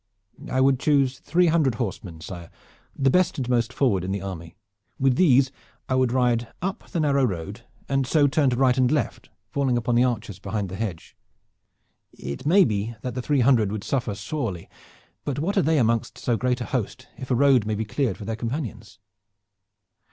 "I would choose three hundred horsemen, sire, the best and most forward in the army. With these I would ride up the narrow road, and so turn to right and left, falling upon the archers behind the hedge. It may be that the three hundred would suffer sorely, but what are they among so great a host, if a road may be cleared for their companions?"